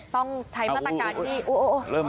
ต้องใช้มาตรการที่โอ้